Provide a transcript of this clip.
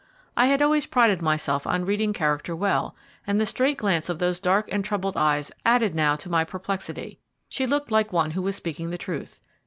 I had always prided myself on reading character well, and the straight glance of those dark and troubled eyes added now to my perplexity. She looked like one who was speaking the truth.